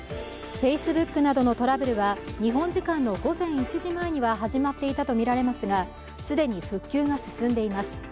Ｆａｃｅｂｏｏｋなどのトラブルは日本時間の午前１時前には始まっていたとみられますが、既に復旧が進んでいます。